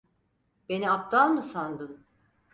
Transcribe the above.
Beni aptal mı sandın?